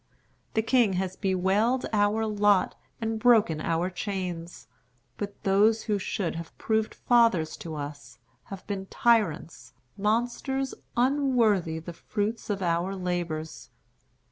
The king has bewailed our lot and broken our chains. But those who should have proved fathers to us have been tyrants, monsters, unworthy the fruits of our labors.